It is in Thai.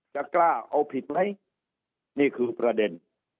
กล้าเอาผิดไหมนี่คือประเด็น